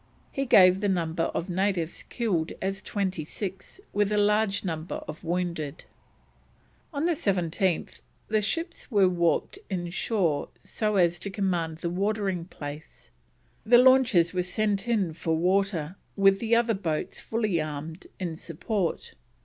He gave the number of natives killed as twenty six, with a large number of wounded. On the 17th the ships were warped inshore so as to command the watering place, the launches were sent in for water, with the other boats fully armed, in support.